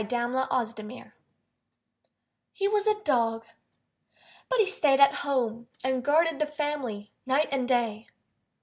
A DOG AND A MAN He was a dog, But he stayed at home And guarded the family night and day.